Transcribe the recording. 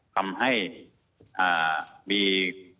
ทำให้มี